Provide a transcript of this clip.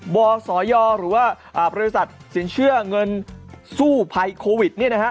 บศยหรือว่าบริษัทสินเชื่อเงินสู้ภัยโควิดเนี่ยนะฮะ